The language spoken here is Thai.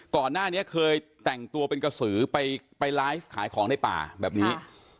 ก่อนหน้านี้เคยแต่งตัวเป็นกระสือไปไลฟ์ขายของในป่าแบบนี้